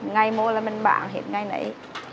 ngày mỗi là mình bán hết ngày nãy